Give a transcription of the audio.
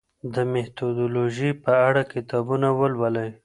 د میتودولوژي په اړه کتابونه ولولئ.